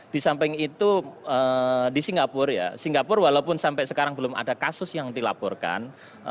di samping itu di singapura ya singapura walaupun sampai sekarang belum ada kasus yang dilaporkan